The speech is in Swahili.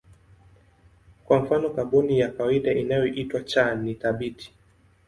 Kwa mfano kaboni ya kawaida inayoitwa C ni thabiti.